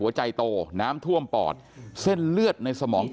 พี่สาวของเธอบอกว่ามันเกิดอะไรขึ้นกับพี่สาวของเธอ